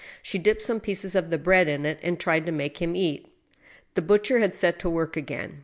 She dipped *some pieces of the bread in it and tried to make him eat. The butcher had set to work again.